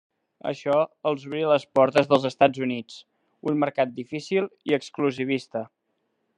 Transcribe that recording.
Això els obrí les portes dels Estats Units, un mercat difícil i exclusivista.